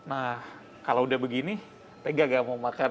nah kalau sudah begini tega nggak mau makan